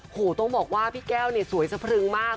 โอ้โหต้องบอกว่าพี่แก้วเนี่ยสวยสะพรึงมาก